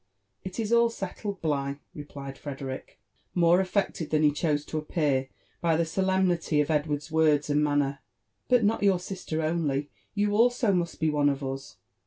It is all settled, Bligh," replied Frederick, more affected than he chose to appear by the solemnity of Edward's words and manner :" but not your sister only — you also must be one of us.